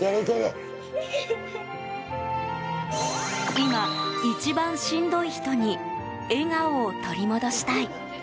今一番しんどい人に笑顔を取り戻したい。